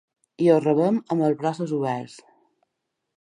I ho rebem amb els braços oberts.